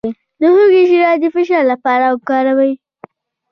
د هوږې شیره د فشار لپاره وکاروئ